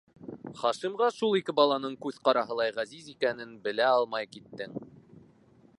Хашимға шул ике баланың күҙ ҡараһылай ғәзиз икәнен белә алмай киттең!